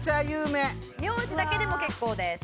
名字だけでも結構です。